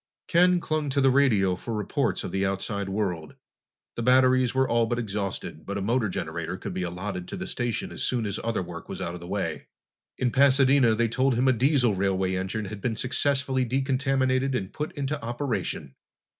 Ken clung to the radio for reports of the outside world. The batteries were all but exhausted, but a motor generator could be allotted to the station as soon as other work was out of the way. In Pasadena, they told him a diesel railway engine had been successfully decontaminated and put into operation.